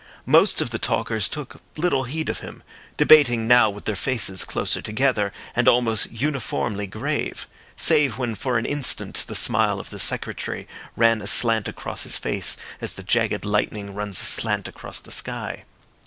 Most of the talkers took little heed of him, debating now with their faces closer together, and almost uniformly grave, save when for an instant the smile of the Secretary ran aslant across his face as the jagged lightning runs aslant across the sky.